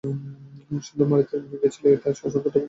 সুন্দরকে মারিতে গিয়াছিল তাই অসুন্দরটা বুকে লাথি খাইয়াছে।